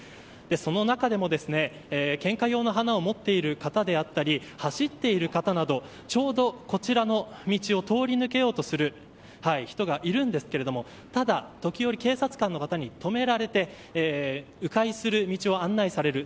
その中でも、献花用の花を持っている方であったり走っている方などちょうど、こちらの道を通り抜けようとする人がいるんですけれどもただ、時折警察官の方に止められて迂回する道を案内される